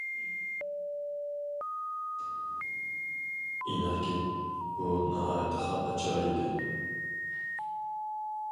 ئېنىقكى، ئۇ ناھايىتى خاپا چىراي ئىدى.